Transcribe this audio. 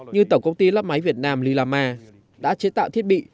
như tổng công ty lắp máy việt nam lilama đã chế tạo thiết bị